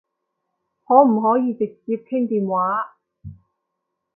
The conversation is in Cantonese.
可唔可以直接傾電話？